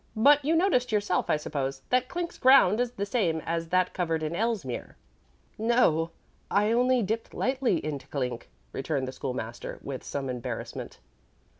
But you noticed yourself, I suppose, that Clink's ground is the same as that covered in Elsmere?" "No; I only dipped lightly into Clink," returned the School master, with some embarrassment.